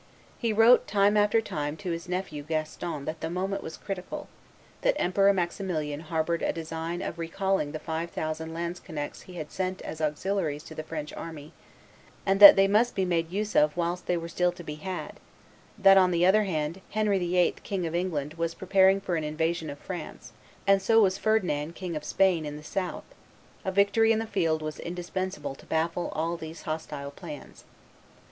He wrote, time after time, to his nephew Gaston that the moment was critical, that Emperor Maximilian harbored a design of recalling the five thousand lanzknechts he had sent as auxiliaries to the French army, and that they must be made use of whilst they were still to be had; that, on the other hand, Henry VIII., King of England, was preparing for an invasion of France, and so was Ferdinand, King of Spain, in the south: a victory in the field was indispensable to baffle all these hostile plans.